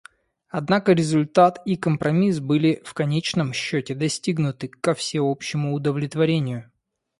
Однако результат и компромисс были в конечном счете достигнуты ко всеобщему удовлетворению.